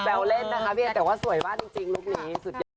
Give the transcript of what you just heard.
แปลวเล่นนะคะพี่เอ๋แต่ว่าสวยมากจริงลูกนี้